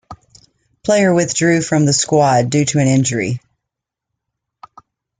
Player withdrew from the squad due to an injury.